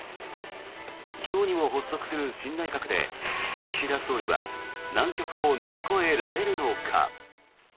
今日にも発足する新内閣で岸田総理は難局を乗り越えられるのか。